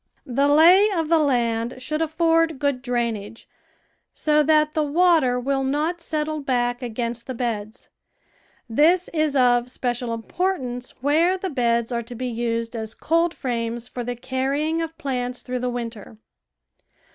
The lay of the land should afford good drain age, so that the water will not settle back against the beds; this is of special importance where the beds are to be used as coldframes for the carrying of plants through the winter.